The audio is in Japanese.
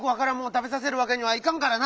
たべさせるわけにはいかんからな。